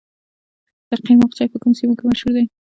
قیماق چای په کومو سیمو کې مشهور دی؟